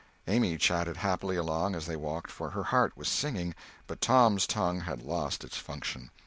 Amy chatted happily along, as they walked, for her heart was singing, but Tom's tongue had lost its function.